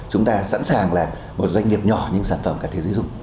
chúng ta sẵn sàng là một doanh nghiệp nhỏ nhưng sản phẩm cả thế giới dùng